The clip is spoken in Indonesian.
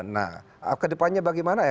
nah kedepannya bagaimana ya